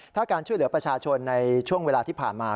ถ้าการช่วยเหลือประชาชนในช่วงเวลาที่ผ่านมา